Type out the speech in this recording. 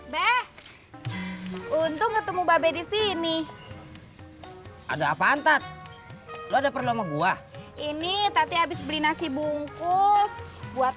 be b untuk ketemu babe di sini ada apaan tak lu ada perlu sama gua ini tadi habis beli nasi bungkus buat